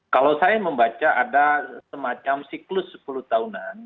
kalau saya membaca ada semacam siklus sepuluh tahunan